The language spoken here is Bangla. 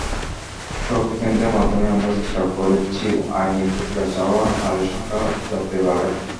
সখীকেন্দ্রের মাধ্যমে আমরা চেষ্টা করছি আইনি প্রতিকার চাওয়া নারীর সংখ্যা যাতে বাড়ে।